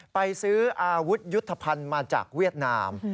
ไปซื้ออาวุธยุทธภัณฑ์มาจากเวียดนาม